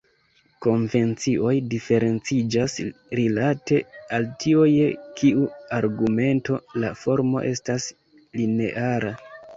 Konvencioj diferenciĝas rilate al tio je kiu argumento la formo estas lineara.